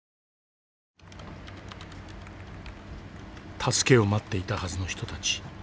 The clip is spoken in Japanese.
助けを待っていたはずの人たち。